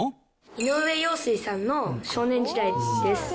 井上陽水さんの少年時代です。